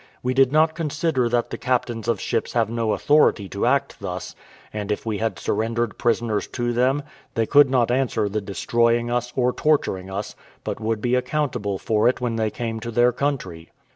We did not consider that the captains of ships have no authority to act thus; and if we had surrendered prisoners to them, they could not answer the destroying us, or torturing us, but would be accountable for it when they came to their country.